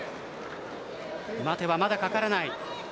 待てはまだかからない。